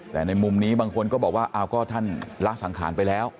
แต่ในมุมนี้บางคนก็บอกว่าอ้าวก็ท่านละสังขารไปแล้ว